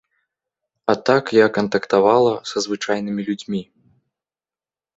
А так я кантактавала са звычайнымі людзьмі.